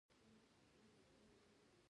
د جومات نه چې لږ بره لاړو نو بيا پۀ سړک سم شو